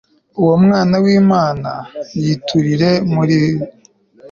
uwo mwana w'imana, yiturire muri